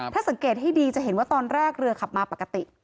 ถ้าสังเกตให้ดีจะเห็นว่าตอนแรกเรือขับมาปกติ